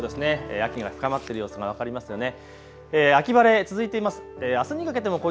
秋が深まっている様子が分かりますよね。